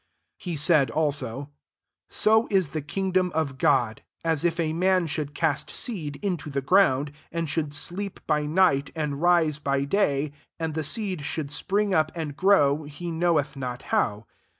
26 He said also, '* So is the kii^dom of God, as if a man should cast seed into the ground ; 27 and should sleep by night, and rise by day ; and the seed should spring up and grow, he knoweth not how.